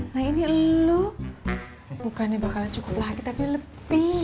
nah ini lu bukannya bakal cukup lagi tapi lebih